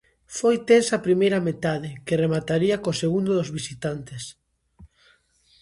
Foi tensa a primeira metade, que remataría co segundo dos visitantes.